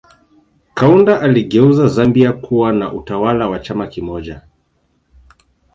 Kaunda aliigeuza Zambia kuwa na utawala wa chama kimoja